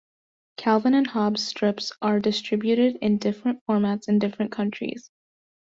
"Calvin and Hobbes" strips are distributed in different formats in different countries.